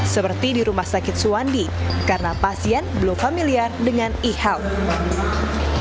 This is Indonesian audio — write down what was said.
seperti di rumah sakit suwandi karena pasien belum familiar dengan ehal